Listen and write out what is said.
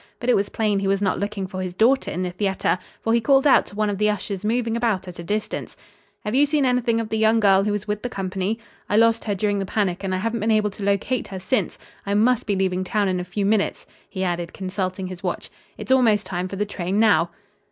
But it was plain he was not looking for his daughter in the theater, for he called out to one of the ushers moving about at a distance: "Have you seen anything of the young girl who was with the company? I lost her during the panic and I haven't been able to locate her since. I must be leaving town in a few minutes," he added, consulting his watch. "It's almost time for the train now."